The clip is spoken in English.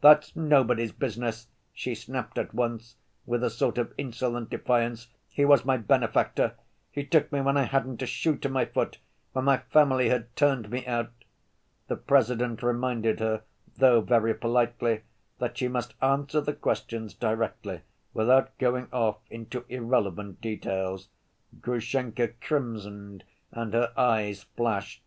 "That's nobody's business," she snapped at once, with a sort of insolent defiance. "He was my benefactor; he took me when I hadn't a shoe to my foot, when my family had turned me out." The President reminded her, though very politely, that she must answer the questions directly, without going off into irrelevant details. Grushenka crimsoned and her eyes flashed.